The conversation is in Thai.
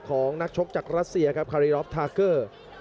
ของนักชกจากรัสเซียครับคารีรอฟทาเกอร์